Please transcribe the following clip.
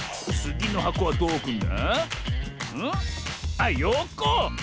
あっよこ！